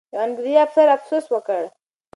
یو انګریزي افسر افسوس وکړ.